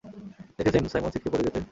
দেখেছেন সাইমন ছিটকে পড়ে যেতে।